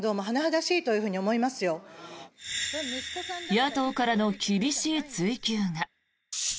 野党からの厳しい追及が。